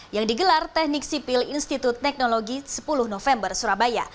yang digelar teknik sipil institut teknologi sepuluh november surabaya